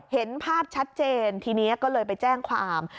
เห็นภาพชัดเจนทีนี้ก็เลยไปแจ้งความ